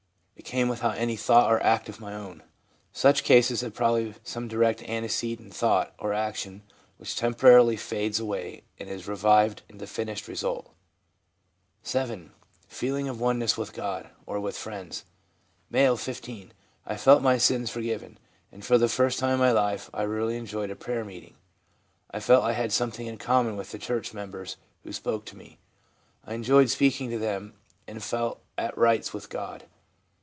It came without any thought or act of my own/ Such cases have probably some direct antecedent in thought or action which temporarily fades away and is revived in the finished result. 7. Feeling of oneness with God (or with friends). — M., 1 5. * I felt my sins forgiven, and for the first time in my life I really enjoyed a prayer meeting. I felt I had something in common with the church members who spoke to me. I enjoyed speaking to them and felt at rights with God.'